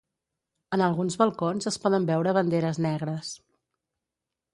en alguns balcons es poden veure banderes negres